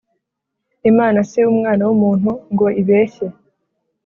Imana si umwana wumuntu ngo ibeshye